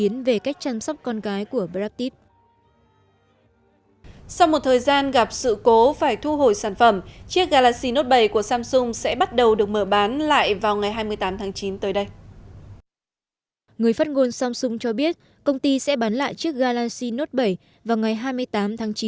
người phát ngôn samsung cho biết công ty sẽ bán lại chiếc galaxy note bảy vào ngày hai mươi tám tháng chín